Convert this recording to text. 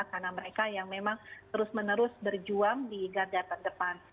karena mereka yang memang terus menerus berjuang di garda terdepan